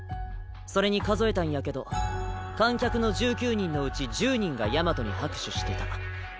それに数えたんやけど観客の１９人のうち１０人が大和に拍手してた。